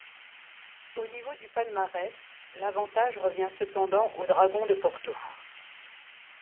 Au niveau du palmarès, l'avantage revient cependant aux Dragons de Porto.